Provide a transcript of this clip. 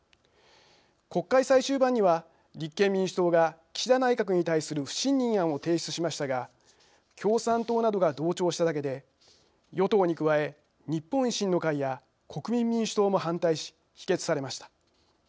国会最終盤には、立憲民主党が岸田内閣に対する不信任案を提出しましたが共産党などが同調しただけで与党に加え、日本維新の会や国民民主党も反対し否決されました。